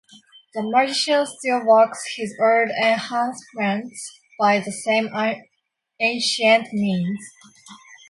The magician still works his old enchantments by the same ancient means.